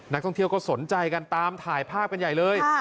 นักท่องเที่ยวก็สนใจกันตามถ่ายภาพกันใหญ่เลย